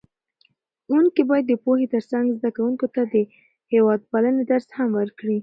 ښوونکي باید د پوهې ترڅنګ زده کوونکو ته د هېوادپالنې درس هم ورکړي.